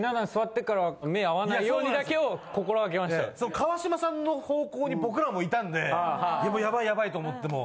川島さんの方向に僕らもいたんでヤバいヤバいと思ってもう。